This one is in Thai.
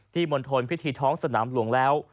มณฑลพิธีท้องสนามหลวงแล้ว